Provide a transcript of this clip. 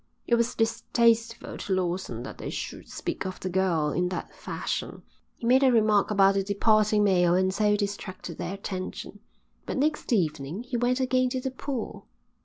It was distasteful to Lawson that they should speak of the girl in that fashion. He made a remark about the departing mail and so distracted their attention. But next evening he went again to the pool.